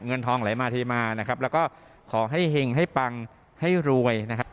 เงินทองไหลมาเทมานะครับแล้วก็ขอให้เห็งให้ปังให้รวยนะครับ